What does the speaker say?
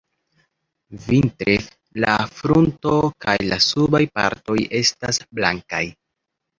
Vintre, la frunto kaj la subaj partoj estas blankaj.